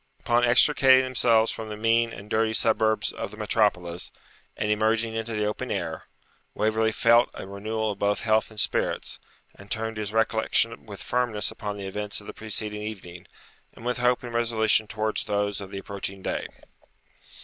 Upon extricating themselves from the mean and dirty suburbs of the metropolis, and emerging into the open air, Waverley felt a renewal of both health and spirits, and turned his recollection with firmness upon the events of the preceding evening, and with hope and resolution towards those of the approaching day.